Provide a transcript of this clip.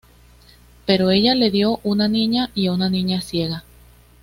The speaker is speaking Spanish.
Pero ella le dio una niña y una niña ciega.